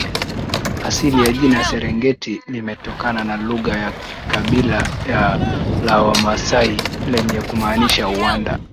Asili ya jina Serengeti limetokana na lugha ya Kabila la Wamaasai lenye kumaanisha uwanda